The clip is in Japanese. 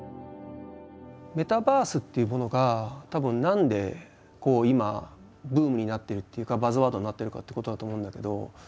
メタバースっていうものがたぶん何で今ブームになってるっていうかバズワードになってるかっていうことだと思うんだけど。